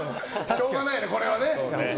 しょうがないよね、これはね。